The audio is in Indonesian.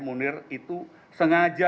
munir itu sengaja